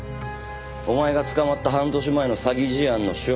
お前が捕まった半年前の詐欺事案の主犯だよ。